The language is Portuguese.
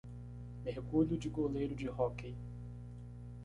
Mergulho de goleiro de hóquei